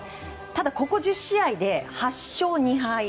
ただ、ここ１０試合で８勝２敗。